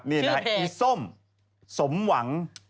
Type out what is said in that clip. ชื่อเพจนี่นะฮะอีส้มสมหวัง